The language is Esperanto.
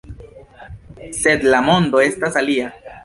Sed la mondo estas alia.